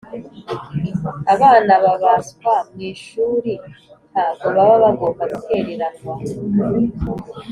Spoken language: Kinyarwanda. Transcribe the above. Abana babaswa mwishuri ntago baba bagomba gutereranwa